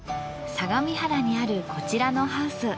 相模原にあるこちらのハウス。